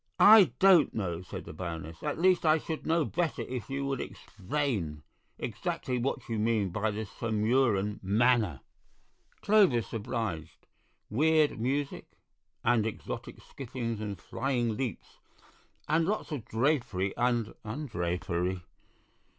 "I don't know," said the Baroness; "at least, I should know better if you would explain exactly what you mean by the Sumurun manner." Clovis obliged: "Weird music, and exotic skippings and flying leaps, and lots of drapery and undrapery.